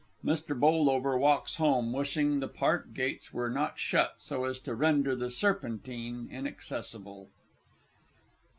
[Mr. B. walks home, wishing the Park Gates were not shut, so as to render the Serpentine inaccessible.